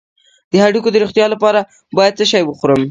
د هډوکو د روغتیا لپاره باید څه شی وخورم؟